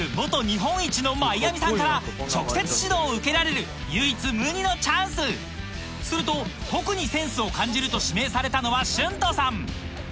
日本一のマイアミさんから直接指導を受けられる唯一無二のチャンスすると特にセンスを感じると指名されたのは